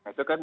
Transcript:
nah itu kan